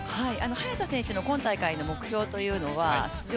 早田選手の今大会の目標は出場